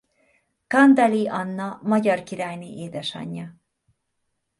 Candale-i Anna magyar királyné édesanyja.